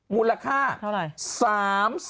มูลค่าเท่าไหร่